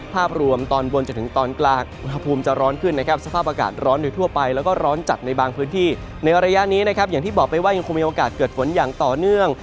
ภาพรวมตอนบนจนถึงตอนกลาง